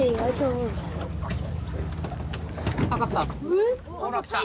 えっ！？